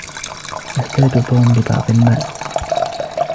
يحتاج توم لبعض الماء.